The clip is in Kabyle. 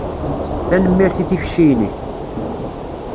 Tanemmirt i tikci-inek.